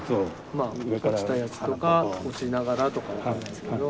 まあ落ちたやつとか落ちながらとか分かんないですけど。